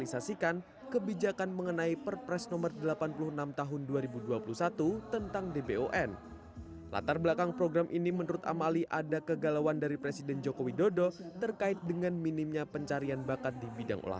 dibon merupakan bentuk keprihatinan presiden ri joko widodo terhadap minimnya atlet berbakat di indonesia